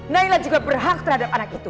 naila juga berhak terhadap anak itu